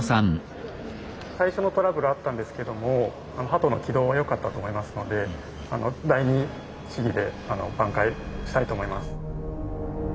最初のトラブルあったんですけども鳩の軌道は良かったと思いますので第二試技で挽回したいと思います。